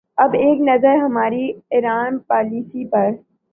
اب ایک نظر ہماری ایران پالیسی پر۔